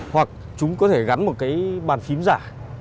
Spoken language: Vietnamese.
hoặc chúng có thể gắn một bàn phím giả